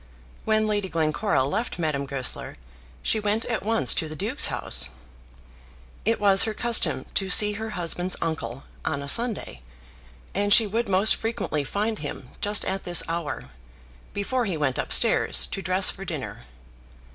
When Lady Glencora left Madame Goesler she went at once to the Duke's house. It was her custom to see her husband's uncle on a Sunday, and she would most frequently find him just at this hour, before he went up stairs to dress for dinner.